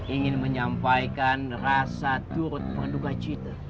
ingin menyampaikan rasa turut penduka cinta